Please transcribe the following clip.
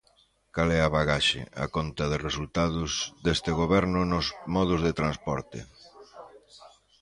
¿Cal é a bagaxe, a conta de resultados, deste goberno nos modos de transporte?